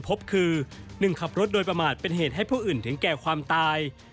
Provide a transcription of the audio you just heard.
๒ขับรถในขณะเมาสุราเป็นเหตุให้ผู้อื่นถึงแก่ความตาย